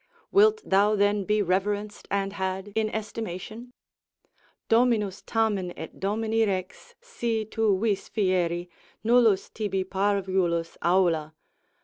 Wilt thou then be reverenced, and had in estimation? ———dominus tamen et domini rex Si tu vis fieri, nullus tibi parvulus aula.